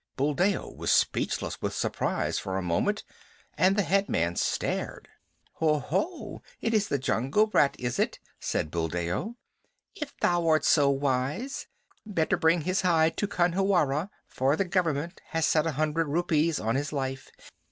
Buldeo was speechless with surprise for a moment, and the head man stared. "Oho! It is the jungle brat, is it?" said Buldeo. "If thou art so wise, better bring his hide to Khanhiwara, for the Government has set a hundred rupees on his life.